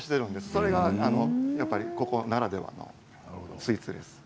それがここならではのスイーツです。